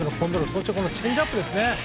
そしてチェンジアップ。